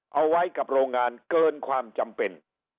เอาไว้กับโรงงานเกินความจำเป็น